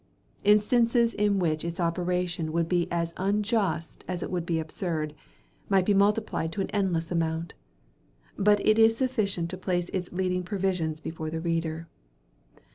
Instances in which its operation would be as unjust as it would be absurd, might be multiplied to an endless amount; but it is sufficient to place its leading provisions before the reader.